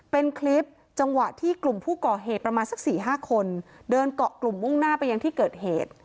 เป็นคลิปจังหวะที่กลุ่มผู้ก่อเหตุประมาณสัก๔๕คนเดินเกาะกลุ่มมุ่งหน้าไปยังที่เกิดเหตุ